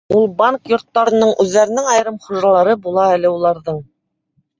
Ул банк йорттарының үҙҙәренең айырым хужалары була әле уларҙың.